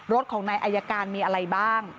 รถของนายอายการมีอะไรบ้าง